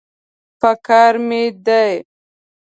پکار مې دی.